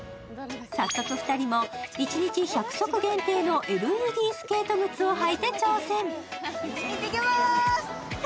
早速２人も一日１００足限定のＬＥＤスケート靴を履いて体験。